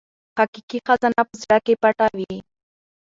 حقیقي خزانه په زړه کې پټه وي.